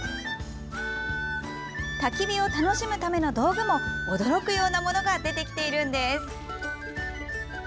たき火を楽しむための道具も驚くようなものが出てきているんです。